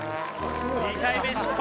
２回目失敗。